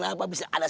orang tadi ke mana ya